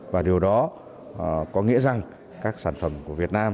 và điều đó có nghĩa rằng các sản phẩm của việt nam